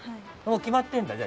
決まってるんだ。